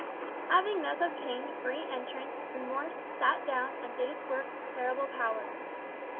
Having thus obtained free entrance, Remorse sat down and did its work with terrible power.